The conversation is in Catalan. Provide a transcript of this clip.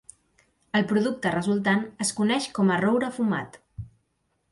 El producte resultant es coneix com a "roure fumat".